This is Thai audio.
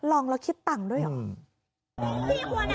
ลองแล้วคิดต่างด้วยหรอ